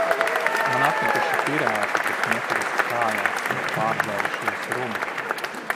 Man apnikuši pirāti, kas neturas kājās, jo pārdzērušies rumu!